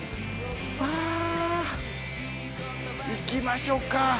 わぁ行きましょか。